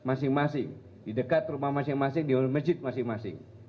masing masing di dekat rumah masing masing di masjid masing masing